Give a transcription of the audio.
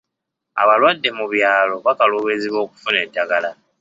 Abalwadde mu byalo bakaluubirizibwa okufuna eddagala.